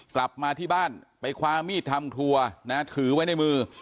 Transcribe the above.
กลับมาที่บ้านไปคว้ามีดทำครัวนะถือไว้ในมือ